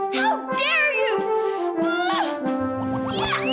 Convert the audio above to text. bagaimana kamu berani